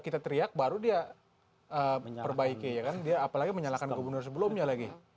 kita teriak baru dia perbaiki ya kan dia apalagi menyalahkan gubernur sebelumnya lagi